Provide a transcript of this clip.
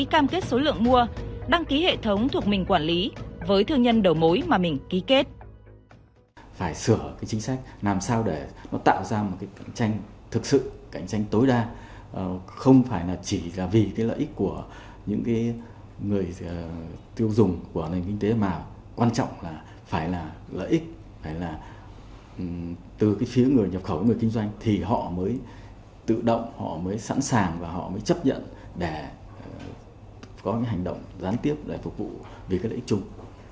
chúng ta sẽ tạo ra một cạnh tranh thực sự cạnh tranh tối đa không phải chỉ vì lợi ích của những người tiêu dùng của nền kinh tế mà quan trọng là phải là lợi ích phải là từ phía người nhập khẩu người kinh doanh thì họ mới tự động họ mới sẵn sàng và họ mới chấp nhận để có hành động gián tiếp để phục vụ vì các lợi ích chung